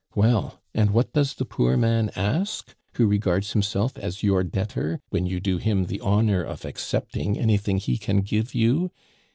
Well, and what does the poor man ask, who regards himself as your debtor when you do him the honor of accepting anything he can give you?